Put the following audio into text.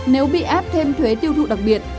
nếu bị áp thêm thuế tiêu thụ đặc biệt